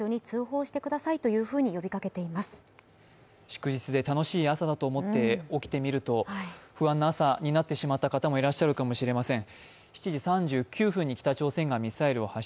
祝日で楽しい朝と思って起きてみると、不安な朝になっていらっしゃる方もいらっしゃるかもしれません。